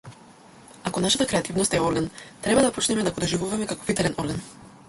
Ако нашата креативност е орган, треба да почнеме да го доживуваме како витален орган.